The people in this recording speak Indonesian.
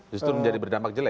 justru menjadi berdampak jelek